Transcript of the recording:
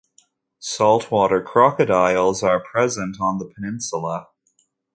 Saltwater crocodiles are present on the peninsula.